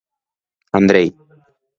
Andrei.